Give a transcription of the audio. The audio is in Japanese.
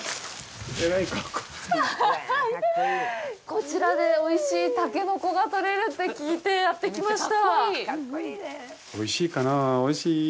こちらでおいしいたけのこがとれるって聞いて、やってきました。